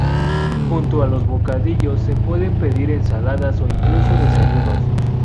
Junto a los bocadillos se pueden pedir ensaladas o incluso desayunos.